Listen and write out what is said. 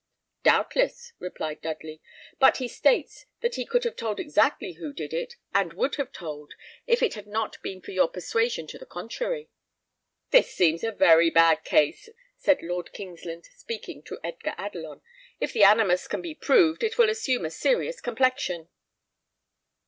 "Doubtless," replied Dudley; "but he states that he could have told exactly who did it, and would have told, if it had not been for your persuasions to the contrary." "This seems a very bad case," said Lord Kingsland, speaking to Edgar Adelon. "If the animus can be proved, it will assume a serious complexion."